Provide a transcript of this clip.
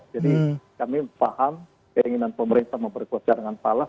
jadi kami paham keinginan pemerintah memperkuat cadangan palas